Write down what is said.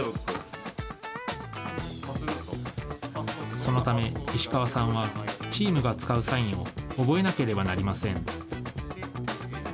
そのため、石川さんはチームが使うサインを覚えなければなりません。